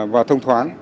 và thông thoáng